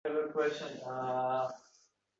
Hokimiyatda ishlaydiganlarning javobini eshitmagan.